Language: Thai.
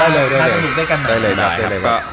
มาสนุกด้วยกันนะครับได้เลยครับ